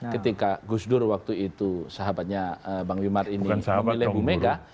ketika gus dur waktu itu sahabatnya bang wimar ini memilih bu mega